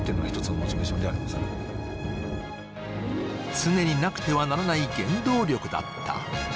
常になくてはならない原動力だった。